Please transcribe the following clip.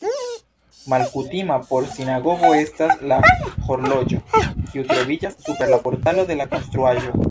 Malkutima por sinagogo estas la horloĝo, kiu troviĝas super la portalo de la konstruaĵo.